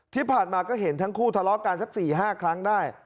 ที่ผ่านมาก็เห็นทั้งคู่ทะเลาะกันสัก๔๕ครั้งได้